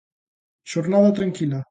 Xornada tranquila.